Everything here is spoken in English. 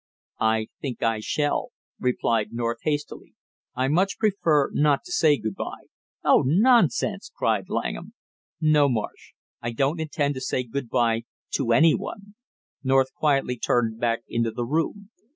"I think I shall," replied North hastily. "I much prefer not to say good by." "Oh, nonsense!" cried Langham. "No, Marsh, I don't intend to say good by to any one!" North quietly turned back into the room.